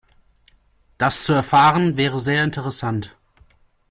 Das zu erfahren, wäre sehr interessant.